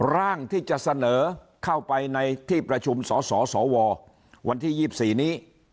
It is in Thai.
ร่างที่จะเสนอเข้าไปในที่ประชุมสสววันที่๒๔นี้